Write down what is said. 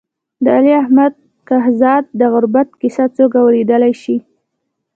د علي احمد کهزاد د غربت کیسه څوک اورېدای شي.